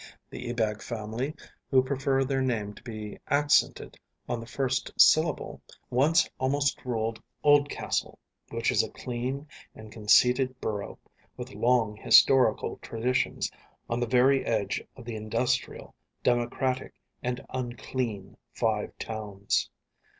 The Ebag family, who prefer their name to be accented on the first syllable, once almost ruled Oldcastle, which is a clean and conceited borough, with long historical traditions, on the very edge of the industrial, democratic and unclean Five Towns.